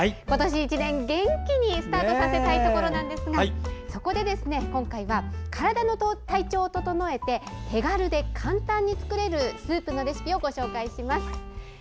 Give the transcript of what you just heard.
今年１年元気にスタートさせたいところですがそこで今回は、体調を整えて手軽で簡単に作れるスープのレシピをご紹介します。